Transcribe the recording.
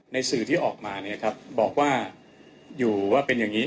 ในสื่อที่ออกมาบอกว่าอยู่ว่าเป็นอย่างนี้